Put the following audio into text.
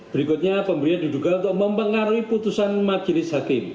berikutnya pemberian diduga untuk mempengaruhi putusan majelis hakim